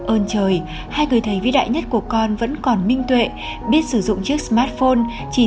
ơn trời hai người thầy vĩ đại nhất của con vẫn còn minh tuệ biết sử dụng chiếc smartphone chỉ